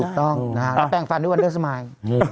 ถูกต้องแล้วแปลงฟันด้วยวันเดอร์สมาย